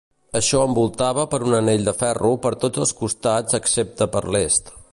Això envoltava per un anell de ferro per tots els costats excepte per l'Est.